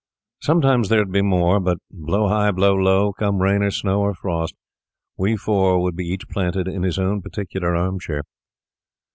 Sometimes there would be more; but blow high, blow low, come rain or snow or frost, we four would be each planted in his own particular arm chair.